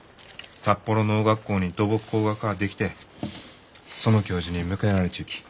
札幌農学校に土木工学科が出来てその教授に迎えられちゅうき。